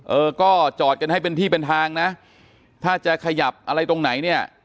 เออก็จอดกันให้เป็นที่เป็นทางนะถ้าจะขยับอะไรตรงไหนเนี่ย